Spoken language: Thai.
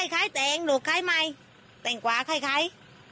ใครแตงลูกใครไม่แตงกวาใคร